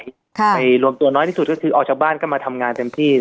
ไปรวมตัวน้อยที่สุดก็คือออกจากบ้านก็มาทำงานเต็มที่